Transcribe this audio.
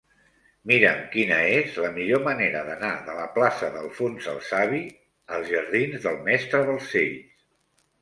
Mira'm quina és la millor manera d'anar de la plaça d'Alfons el Savi als jardins del Mestre Balcells.